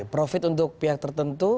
profit untuk pihak tertentu